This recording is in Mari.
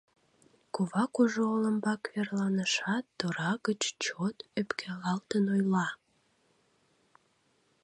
Кува кужу олымбак верланышат, тора гыч чот ӧпкелалтын ойла: